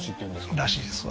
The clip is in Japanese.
らしいですわ